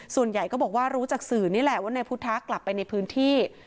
ส่วนใหญ่ก็บอกว่ารู้จากสื่อนี่แหละว่านายพุทธะกลับไปในพื้นที่